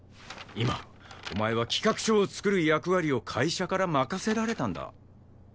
今お前は企画書を作る役割を会社から任せられたんだ。